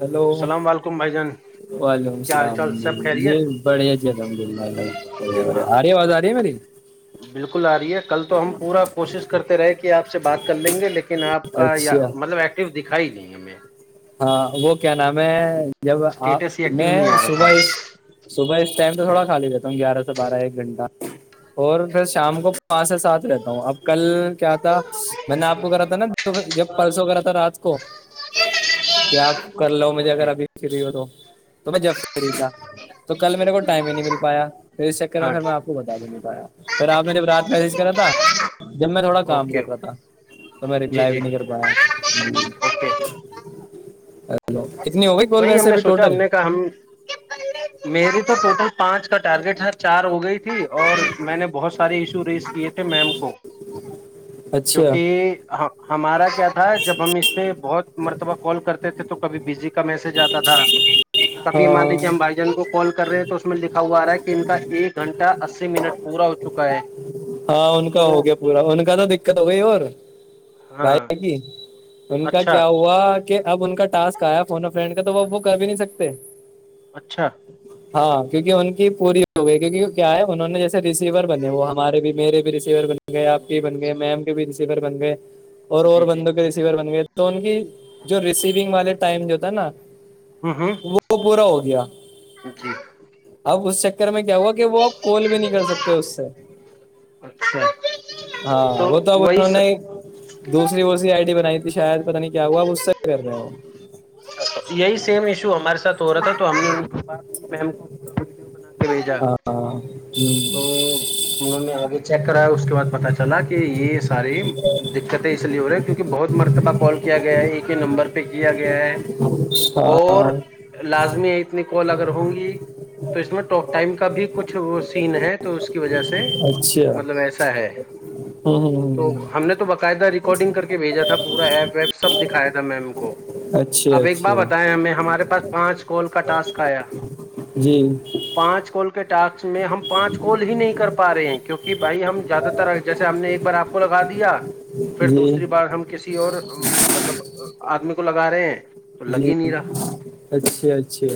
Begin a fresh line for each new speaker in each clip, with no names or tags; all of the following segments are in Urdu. ہلو
اللام وعلیکم بھائی جان
وعلیکم
کیا حال
السلام
چال سب خہریی ہے
جی بڑھیا جی الحمد للہ اللہ بڑھیا بڑھیا
ہاں
آ رہی آواز آ رہی ہے میری
بالکل آ رہی ہے کل تو ہم پورا کوشش کرتے رہے کہ آپ سے بات کر لیں گے لیکن آپ کا
اچھا
مطلب ایکٹو د [unintelligible] کائی نہیںئی ایں [unintelligible]
ہاں وہ کیا نام ہے جب آپ
اسٹیٹس ہی ایکٹیو
میں
نہیں آ رہا تھا
صبح اس صبح اس ٹائم پہ تھوڑا خالی ہو جاتے ہیں [unintelligible] گیارہ سے بارہ ایک گھٹہ اور پھر شام کو پانچ سے ساتھ رہتا ہوں اب کل کیا تھا میں نے آپ کو کرا تھا نا جب پرلسو کرا تھا رات کو کیا کر لو مجھے اگر
اوکے
ابھی فری ہو تو تو میں جب فری تھا تو کل میرے کو ٹائم ہی نہیں مل پایا پھر اس چکر میں
ہاں
پھر میں آپ کو بتا بھی نہیں پایا پھر آپ جب رات میسج کرا تھا جب میں میں تھوڑا کام کر
اوکے
رہا تھا تو میں
جی
رپلائی
جی
بھی نہیں کر پایا
اوکے
الو
وہی ہم نے سوچا ہم نے کہا ہم میری تو ٹوٹل پانچ کا ٹارگیٹ ہے چار ہو گئی تھی اور میں نے بہت سارے ایشو ریز کیے تھے میم کو
اچھا
کیونکہ ہمارا کیا تھا جب ہم اس پہ بہت مرتبہ کال کرتے تھے تو کبھی بزی جاتا تھا آاتتا تھا کبھی مان
ہاں
لیجیے ہم بھائی جان کو کال کر رہے ہیں تو اس میں لکھا ہوا آ رہا ہے کہ ان کا ایک گھنٹہ اس
ہاں ان کا
تو
ہو گیا پورا ان کا تو دقت ہو گئی اور بھائی
ہاں
ہے کی ان کا
اچھا
کیا ہوا کہ اب ان کا ٹاسک آیا فنا فرینڈ کا تو وہ وہ کر بھی نہیں سکتے
اچھا
ہاں کیونکہ ان کی پوری ہو گئی کیونکہ کیا ہے انہوں نے جیسے رسیور بنے وہ ہمارے بھی میرے بھی ریسیور بنے گئے آپ کے
جی
ہی بن گئے میم کے بھی ریسیور بن گئے اور اور
جی جی
بندوں کے ریسیور بن گئے تو ان کی جو ریسیونگ والے ٹائم جو تھا نا
ہوں ہوں
وہ پورا ہو گیا
جی
آؤ اس چکر میں کیا ہوا کہ بو اب کال بھی نہیں کر سکتے اس سے
اچھا
ہاں وہ تو اب انہوں نے دوسری بوسری آئی ڈٹی بنائی تھی شاید پتا نہیں کیا ہوا اس سے کر رہے ہو
یہی سیم ایشو ہمارے سات ہو رہا تھا تو ہم نے ان سے بات کی میم کو پورا ویڈیو بناانا بھیجا
ہاں
تو انہوں نے آگے چیک کرایا اس کے بعد پتا چلا کہ یہ ساری دقتیں اس لیے ہو رہی کیونکہ بہت مرتبہ کال کیا گیا ہے ایک ہی نمبر پہ کیا گیا ہے اور
ہاں
لازمی اتنی کال اگر ہوں گی تو اس میں ٹاپ ٹائم کا بھی کچھ وہ سین ہے تو اس کی وجہ سے
اچھا
مطلب ایسا ہے
ہ
تو
ہ
ہم نے تو باقاعدہ ریکارڈنگ کر کے بھیجا تھا پورا ایپ ویپ سب دکھایا تھا م کو
اچھا
ایک بار
اچھا
بتایا ہمیں ہمارے پاس پانچ کوول کا ٹاسک آیا
جی
پانچ کولک ٹسک میں ہم پانچ کال ہی نہیں کر پا رہے ہیں کیونک بھائی ہم زیادہ تر جیسے ہم نے ایک بار آپ کو لگا دیا پھر
جی
دوسری بار ہم کسی اور مطلب آدمی کو لگا رہے ہیں تو لگ
جی
ہی نہیں رہا
اچھے اچھے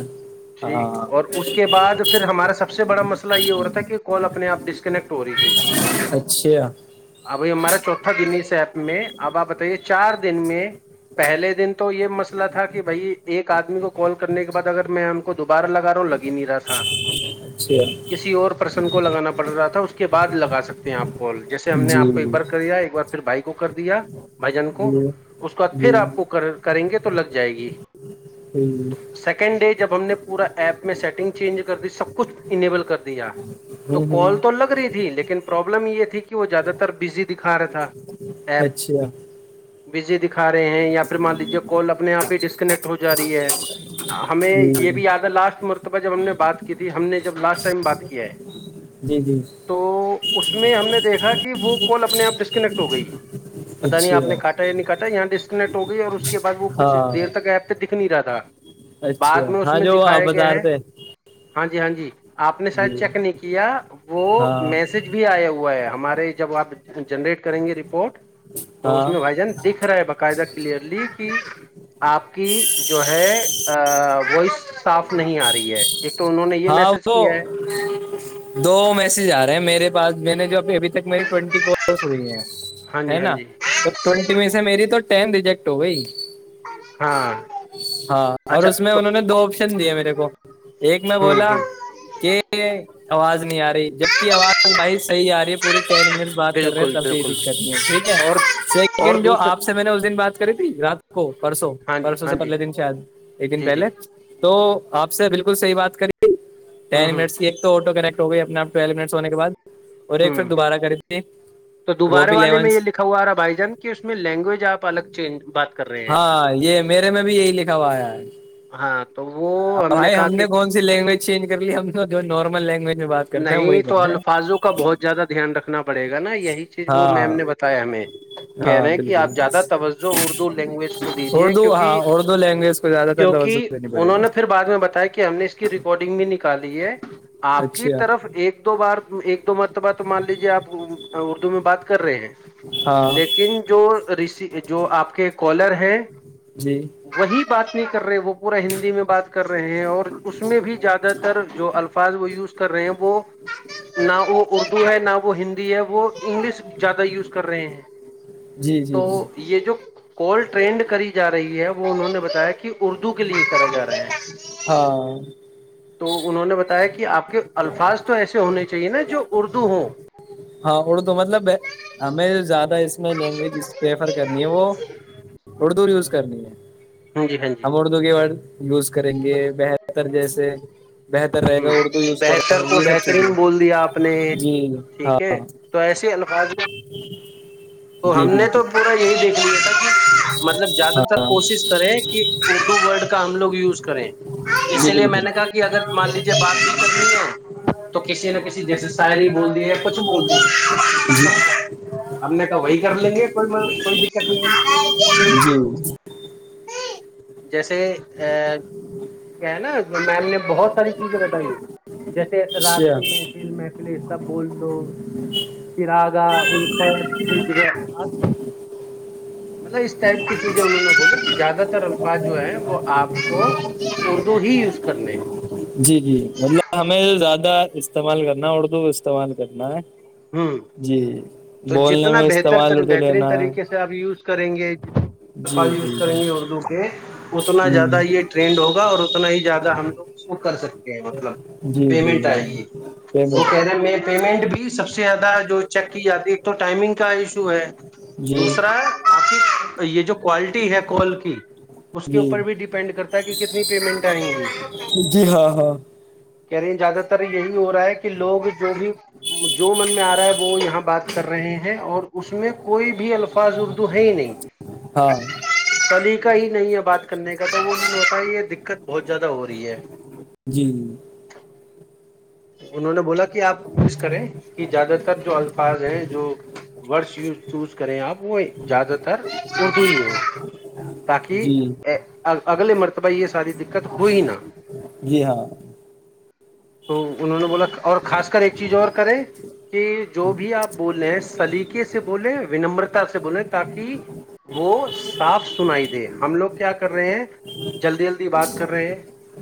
ٹھیک
ہاں
اور اس کے بعد پھر ہمارا سب سے بڑا مسئلہ یہ ہو رہا تھا کہ کال اپنے آپ ڈسکنیکٹ ہو رہی تھی
اچھے
ابائی ہمارا چوتھا دن ایپ میں اب آپ بتائیے چار دن میں پہلے دن تو یہ مسئلہ مسئ تھا کہ بھائی ایک آدمی کو کال کرنے کے بعد اگر میں ہم کو دوبارہ لگا رہا ہوں لگ ہی نہیں رہا تھا
اچھے
کسی اور پرسن کو لگانا پڑ رہا تھا اس کے بعد لگا سکتے ہیں آپ گول جیسے ہم نے
جی
آپ کو ایک بار
جی
کریا ایک بار پھر بھائی کو کر دیا بھائی جن کو
جی
اس کے بعد پھر
جی
آپ کو کریں گے تو تو لگ جائے گی تو سیکنڈ ڈے جب ہم نے پورا ایپ میں سیٹ گ چینج کر دی سب کچھ انبل کر دیا تو
ہوں ہوں
کال تو لگ رہی تھی لیکن پرابلم یہ تھی کہ وہ زیادہ تر بزی دکھا رہا تھا
اچھا
بجے دی کھ رہے ہیں یا پھر مان لیجیے کال اپنے آپ ہی ڈسکنیکٹ ہو جا رہی ہے ہمیں
جی
یہ بھی یاد ہے لاسٹ مرتبہ جب ہم نے بات کی کہ تھی ہم نے جب لاسٹ ٹائم بات کیا ہے
جی جی
تو اس میں ہم نے دیکھا کہ وہ کال اپنے آپ ڈسکنیکٹ ہو گئی پتا نہیں آپ
اچھا
نے کاٹا یا نہیں کاٹا یہاں ڈ یکٹ ہوگئی اور اس کے بد وہ
ہاں
کچھ دیر تک آپتے دے نہیں رہا تھا بعد
اچھا
میں اس
ہاں
میں
جو آپ
دکھایا گیا
بتا
ہے
رہے تھے
ہاں جی ہاں جی آپ نے شاید
جی
چیک نہیں کیا وہ
ہاں
میسج بھی آیا ہوا ہے ہمارا جب آپ جنریٹ کریں گے رپورٹ تو اس
ہاں
میں بھائی جان دکھ رہا ہے باقاعدہ کلیئرلی آپ کی جو ہے وائس صاف نہیں آ رہی ہے ایک تو انہوں نے یہ
ہاں
میسج
وہ
کیا ہے
دو میسج آ رہے ہیں میرے پاس میں نے جو ابھی تک میری ٹوینٹی کس ہوئی ہے
ہاں
ہے
جی ہاں
نا
جی
تو ٹوینٹی میں سے میری تو تو ٹم ریجیکٹ ہو گا ہی
ہاں
ہاں اور
اچھا
اس میں
تو
انہوں نے دو آپشن دیے میرے کو ایک میں
ہوں
بولا
ہوں
کہ آواز نہیں آ رہی جبک آواز بھائی صح آ رہی ہے پوری ٹینجن بات کر رہے
بالکل
تب بھی
بالکل
دقت نہیں ہے ٹھیک ہے
اور اور
سیکنڈ جو
دوسر
آپ سے میں نے اس دن بات کری تھی رات کو پرسوں
ہاں جی
پرسوں
ہاں
سے
جی
پندلے دن شاید ایک دن
جی جی
پہلے تو آپ سے بالکل صح بات کری
ہوں
ٹین
ہوں
منٹس کی ایک تو آٹو کنیکٹ ہو گ اپپویل منٹ ہو کے بع
ہوں تو
وہ
دوبارہ
بھی
والے
الیون
میں یہ لکھا ہوا رہا بھائی جان کہ اس میں لینگویج آپ الگ چینج بات کر رہے ہیں
ہاں یہ میرے میں بھی یہی لکھا ہوا آیا ہے
ہاں تو وہ ہم نے
بھائی
کہا کہ
کون سی لینگویج چینج کر لی ہے ہم جو نارمل لینگو
نہیں تو الفاظوں کا بہت زیادہ دھیان رکھ نا پڑے گا نا یہ یہی چیز وہ میم
ہاں
نے بتایا ہمیں کہ
ہاں
کہ آپ زیادہ
بالکل
توجہ اردو لینگویج کو دیجیے
اردو ہاں
کیکہ
اردو لینگویج کو زیادہ تر توجہ
کیکہ
دینی پڑے
انہوں
گی
نے پھر بعد میں بتایا کہ ہم نے اس کی ریکارڈنگ بھی نکالی ہے آپ کی
اچھا
طرف ایک دو بار ایک مرتبہ تو مان لیجیے آپ اردو میں بات کر رہے ہیں
ہاں
لیکن جو رشی جو آپ کے کالر ہیں
جی
وہی بات نہیں کر رہے وہ پورا ہندی میں بات کر رہے ہیں اور اس میں بھی زیادہ تر جو الفاظ وہ یوز وہ نہ وہ اردو ہے نہ وہ ہندی ہے وہ انگلش زیادہ یوز کر رہے ہیں
جی جی
تو
جی
یہ جو کال ٹرینڈ کری جا رہی ہے وہ انہوں نے بتایا کہ اردو کے لیے کرا جا رہا ہے
ہاں
تو انہوں نے بتایا کہ آپ کے الفاظ تو ایسے ہونے چاہیے نا جو اردو ہوں
ہاں ار توو مطلب ہے ہمیں زیادہ اس میں لینگویج پریفر کرنی ہے وہ تھوڑ دور یوز کرنی ہے
ہاں جی ہاں جی
ہم
ہ
اردو کے ورڈ یوز کریں گے بہتر جیسے بہتر رہے گا اردو یوز کریں
بہتر کو
یہ سب چیزیں
بہترین بول دیا آپ نے
جی ہاں
ٹھیک تو ایسے الفاظ میں تو ہم
جی
نے تو
بالکل
پورا یہی دیکھ لیا تھا کہ مطلب زیادہ تر
ہاں
کوشش کہ اردو ورڈ کا ہم لوگ یوز کریں
جی
اسی لیے میں نے
بالکل
کہا کہ اگر مان لیجیے بات بھی کرنی ہو تو کسی کسی نہ کسی جیسے شاعری بول دی ہیںیا کچھ بول دی
جی
ہیں ہم نے تو وہی کر لیں گے کوئی م کوئی دقت نہیں ہاں [inaudible]
جی
جیسے ا کیا ہے نا میم نے بہت ساری چیزیں بتائی جیسے رات
اچھا
کی محفل محفلی سب بول دو پراگا ا [unintelligible] مطلب اس ٹائپ کی چیزیں انہوں نے بولا کہ زیادہ تر الفاظ جو ہیں وہ آپ کو اردو ہی یوز کرنے
جی جی مطلب ہمیں زیادہ استعمال کرنا اردو استعمال کرنا ہے جی
تو
بولنے
جتنا
میں
بہتر
استعمال اردو
بہترین
لینا ہے
طریقے سے آپ یوز کریں گے
جی
الفاظ یوز
جی
کریں گے اردو کے اتنا
جی
زیادہ
ہ
یہ ٹرینڈ ہوگا اور اتنا ہی زیادہ ہم لوگ اس کو کر سکتے ج [unintelligible] مطلب
جی جی جی
پیمنٹ آئے
جی
گ وہ
پیمنٹ
کہہ رہے ہیں م پیمنٹ بھی [unintelligible] سب سے زیادہ جو چیک کی جاتی ہے ایک تو ٹائمنگ کا ایشو ہے
جی
دوسرا ہے آپ یہ جو کوالٹی ہے کال کی اس کے
جی
اوپر بھی ڈیپینڈ کرتا کہ کتنی پیمنٹ آئیں گی
جی ہاں ہاں
کہہ رہی ہیں زیادہ تر یہی ہو رہا ہے کہ لوگ جو بھی جو من میں آ رہا ہے وہ یہاں بات کر رہے ہیں اور اس میں کوئی بھی الفاظ اردو ہے ہی نہیں
ہاں
کلی کا ہی نہیں ہے بات کرنے کا تو وہ انہوں نے ہوتا یہ بہت زیادہ ہو رہی ہے
جی جی
انہوں نے بولا کہ کہ آپ کوشش کریں کہ زیادہ تر جو الفاظ ہیں جو ورڈس یز چوز کریں آپ وہ زیاد ت [unintelligible] ہو ہو تاکہ
جی
اگلے مرتبہ یہ ساری دقت ہوئی نہا [inaudible]
جی ہاں
تو انہوں نے بولا اور خاص کر ایک چیز اور کریں کہ جو بھی آپ بولےیں سلیقے سے بولیں ونمرتا سے بولیں تاکہ وہ صاف سنائی دے ہم لوگ کیا کر رہے ہیں جلدی جلدی بات کر رہے ہیں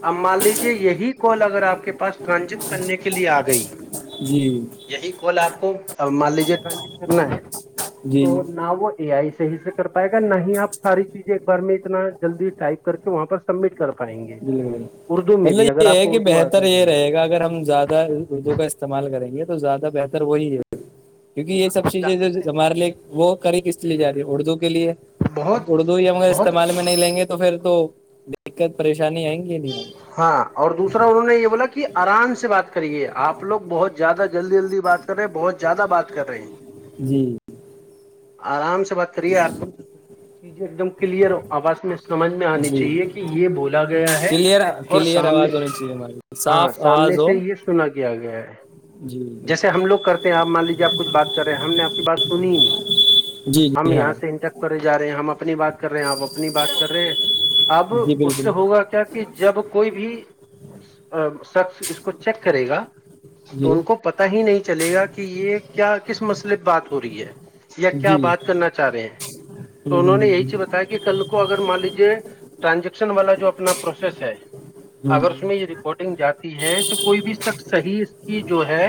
اب مان لیجیے یہی کال اگر آپ کے پاس ٹرانجیکٹ کرنے کے لیے آ گئی
جی
یہی کال آپ کو مان لیجیے ٹرانز کرنا ہے [unintelligible] تو
جی
ن وہ ا آئی [unintelligible] صح سے کر پائے گا نہیں آپ ساری چیزیں ایک بار میں اتنا جلدی ٹائپ کر کے وہاں پر سبمٹ کر پائیں گے
بالکل
اردو میں
مطلب
بھی اگر
یہ
آپ
ہے
کو
کہ
اردو
بہتر یہ
بھی ہے
رہے گا اگر ہم زیادہ اردو کا استعمال کرتے تو زیادہ بہتر وہ نہیں رہ کیونکہ یہ سب چیزیں جو ہمارے لیے وہ کری کس لیے جای ہے اردو کے لیے
بہت
اب اردو ہمگر
بہت
استعمال میں نہیں لیں گے تو تو پھر تو دقت پریشانی آئیں گی نہیں آئیں
ہاں اور دوسرا انہوں نے یہ بولا کہ آرام سے بات کریے آپ لوگ بہت زیادہ جلدی جلدی بات کر رہے بہت زیادہ بات کر رہے ہیں
جی
آرام سے سے بات کریے آپدم سے سنیے چیزیں ایک دم کلیئر آواز میں سمجھ میں آنی
جی
چاہیے
جی
کہ یہ بولا گیا ہے
کلیئر
اور
کلیئر
سامنے
آواز ہونی چاہیے ہماری
ہاں
صاف
سامنے
آواز ہو
سے یہ سنا کیا گیا ہے
جی جی
جیسے ہم لوگ کرتے ہیں آپ مان لیجیے آپ کچھ بات کر رہے ہیں ہم نے آپ کی بات سنی ہی نہیں
جی
ہم
جی
یہاں
ہاں
سے انٹک کرے جا رہے ہیں ہم اپنی بات کر رہے ہیں آپ اپنی بات کر اب
جی
اس سے
بالکل
ہوگا کیا کہ جب کوئی بھی سب اس کو چیک کرے گا تو
جی
ان کو پتا ہی نہیں چلے گا کہ یہ کیا کس مسئلے بات ہو رہی ہے یا کیا
جی
بات
ہوں
کرنا چاہ رہے ہیں تو انہوں نے یہی
ہوں
چیز بتایا کہ کل کو اگر مان لیجیے ٹرانزیکٹ والا جو اپنا پروسیس ہے
ہوں
اگر اس میں یہ ریکارڈنگ جاتا ہے تو کوئی بھی شخص صحیح اس کی جو ہے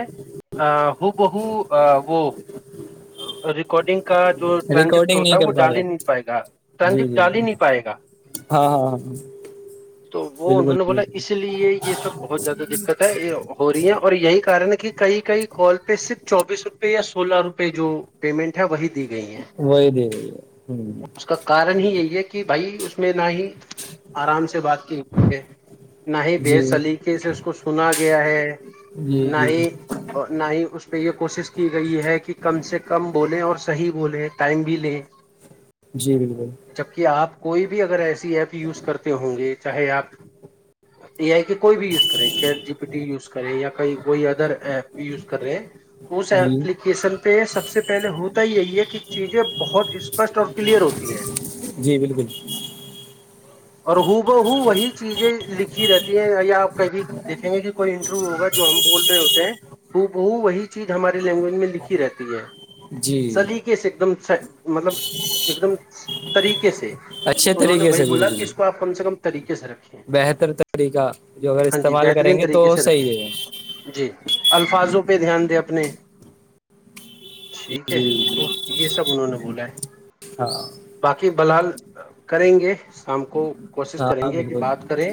بہ وہ ریکارڈنگ کا جو ٹرانجکٹ
ریکارڈنگ نہیں
ہوتا وہ
کر
ڈال
گا
ہی نہیں پائے گا
جی
ٹرانجکٹ ڈال
جی
ہی نہیں پائے گا
ہاں ہاں ہاں ہاں
تو وہ انہوں نے بولا اس لیے یہ سب بہت زیادہ دقت ہے یہ ہو رہی ہے اور یہی کن ہے کہ کئی کئی کال پہ صرف چوبیس روپے یا سولہ روپے پہ جو پیمنٹ ہے وہی دے گئی ہے
وہی دے رہی ہے ہ
اس کا کارن ہی یہی ہے کہ بھائی اس میں نہ ہی آرام سے بات کی نہ ہی بے
جی
سلیقے سے اس کو سنا گیا ہے
جی
نہ
جی
ہی نہ ہی اس پہ یہ کوشش کی گئی ہے کہ کم بولیں اور صحیح بولیں ٹائم بھی لیں
جی بالکل
جبکہ آپ کوئی بھی اگر ایسے ایپ یوز کرتے ہوں گے چاہے آپ اچھا ایے آئی کی کوئی بھی یوز کرے chat G P T use کرے یا کئی کوئی ادر ایپ یوز کر رہے ہیں تو اس
جی
ایپلیکیشن کو سب سے پہلے ہوتا یہی ہے کہ چیزیں بہت اسپشٹ اور کلیئر ہوتی ہیں
جی بالکل
اور ہو ب ہ وہی چیزیں لکھی رہتی ہے یا آپ کب دیکھیں گے کہ کوئی انٹرویو ہوگا جو ہم بول رہے ہوتے ہیں ہو بہ وہی چیز ہماری لینگویج میں لکھی رہتی ہے
جی
سلیقے سے ایک دم مطلب ایک دم طریقے سے
اچھے
تو انہوں نے
طریقے سے
وہی بولا کہ
بالکل
اس کو آپ کم سے کم طریقے سے رکھیں
بہتر طریقہ جو اگر
ہاں جی
استعمال
بہترین
کریں گے تو
طریقے سے رکھیں
صحیح ہے
جی الفاظوں پہ دھیان دیں اپنے ٹھیک ہے
جی
تو یہ سب انہوں نے بولا ہے
ہاں
باقی بلحال کریں گے سام [unintelligible] کو کوشش کریں
ہاں
گے کہ
بالکل
بات کریں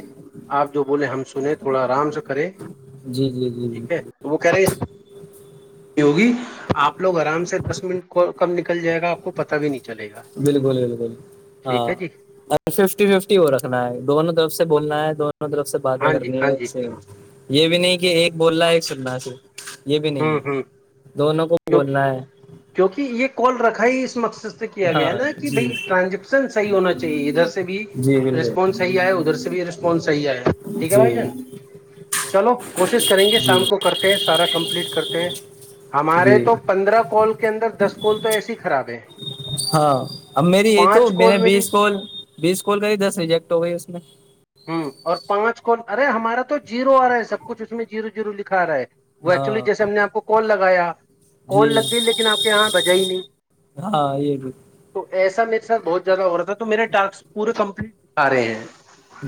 آپ جو بولیں ہم سنے تھوڑا آرام سے کریں
جی جی جی
ٹھیک ہے تو وہ کہہ رہے ہیں ہوگی آپ لوگ آرام سے دس منٹ کم نکل جائے گا آپ کو پتا بھی نہیں چلے گا
بالکل بالکل ہاں
ٹھیک ہے جی
ففٹی ففٹی وہ رکھنا ہے دونوں طرف سے بولنا ہے دونوں دوں طرف سے باتیں
ہاں جی
کرنی
ہاں جی
یہ بھی نہیں کہ ایک بولنا ہے ایک چننا ہے صرف یہ بھی نہیں ہے دونوں کو
کیوںک
بولنا ہے
کیونکہ یہ کون رکھا ہے اس مقصد سے کیا گیا
ہاں
نا کہ بھ
جی
ٹرانن صح ہونا چاہیے ادھر سے بھی
جی بالکل
رسپس صحی آ ادھر سے بھی رسپانسح آئے ٹھیک ہے
جی
بھائی جان چلو کوشش کریں گے شام
جی
کو کرتے ہیں سارا کمپلیٹ کرتے ہیں [unintelligible] ہمارے
جی
تو پندرہ کال کے اندر دس کال تو ایسی ہی خراب ہے
ہاں اب میری یہ تو
پانچ
میں نے
کال بھی
بیس کال بیس کال کری دس ریجیکٹ ہو گئی اس میں
ہوں اور پانچ کو ارے ہمارا تو جیرو آ رہا ہے سب کچھ اس میں جیرو جیرو لکھا آ رہا ہے وہ ایکچولی
ہاں
جیسے ہم نے آپ کو کال لگایا
جی
کال لگ گئی لیکن آپ کے یہاں بجا ہی نہیں
ہاں یہ بھی
تو ایسے ایسا میرےاتھ بہت زیادہ ہو رہا تھا تو میرے ٹسک پورے کمپلیٹکھ رہے ہیں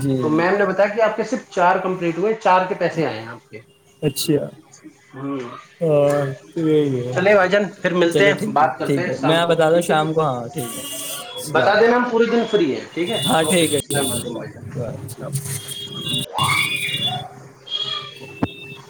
جی
تو میم نے بتایا کہ آپ کیسر چار کمپلیٹ ہوئے چار کے پیسے آئے ہیں آپ کے ہ
اچھا
چلیے بھائی جان پھر ملتے
چلو
ہیں
ٹھیک ہے
بات کرتے
ٹھیک
ہیں
ہے
شام
میں
کو
بتا دوں
ٹھیک ہے جی
شام کو ہاں ٹھیک ہے
بتا
السلام
دینا ہم پورے دن فری ہے ٹھیک ہے اوکے اللام علیکم بھ جان
ب [unintelligible] ہ [unintelligible]